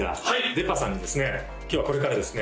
ＤＥｐｐａさんにですね今日はこれからですね